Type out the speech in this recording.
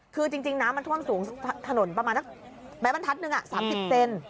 คือจริงน้ำมันท่วมสูงถนนประมาณแท็บอันถัดนึงอะ๓๐เซน